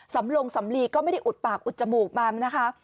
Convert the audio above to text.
สำลงสำลีก็ไม่ได้อุดปากอุดจมูกมานะคะ